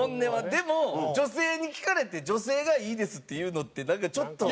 でも女性に聞かれて「女性がいいです」って言うのってなんかちょっと。